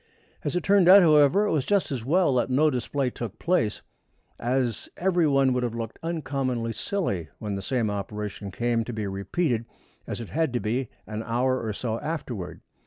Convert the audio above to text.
As it turned out, however, it was just as well that no display took place, as every one would have looked uncommonly silly when the same operation came to be repeated, as it had to be, an hour or so afterward.